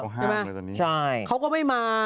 เขาห้ามเลยตอนนี้ใช่เขาก็ไม่มา